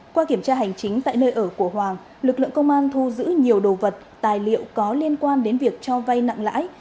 qua kiểm tra hành chính tại nơi ở của hoàng lực lượng công an thu giữ nhiều đồ vật tài liệu có liên quan đến việc cho vay nặng lãi